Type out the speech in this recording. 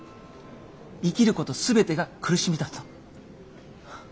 生きること全てが苦しみだと。